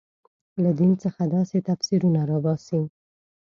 له دین څخه داسې تفسیرونه راباسي.